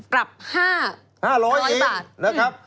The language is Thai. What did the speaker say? กลับ๕๐๐บาท